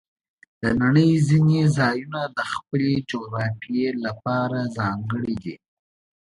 د نړۍ ځینې ځایونه د خپلې جغرافیې لپاره ځانګړي دي.